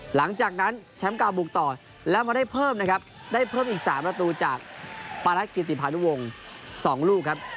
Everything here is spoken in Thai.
หลังจากนั้นแชมป์เก่าบุกต่อแล้วมาได้เพิ่มนะครับได้เพิ่มอีก๓ประตูจากปารัสกิติพานุวงศ์๒ลูกครับ